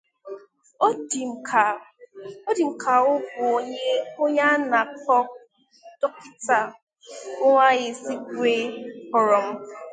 Ọ dị m ka ọ bụ onye a na-akpọ Dọkịta Nwaezeigwe kpọrọ m